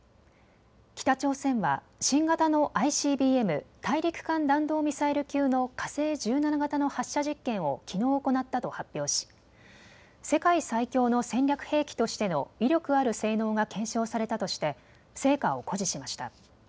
北朝鮮は新型のＩＣＢＭ・大陸間弾道ミサイル級の火星１７型の発射実験をきのう行ったと発表し世界最強の戦略兵器としての威力ある性能が検証されたとして成果を誇示しました。